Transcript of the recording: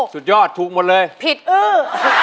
สุดยอดถูกหมดเลยผิดอื้อ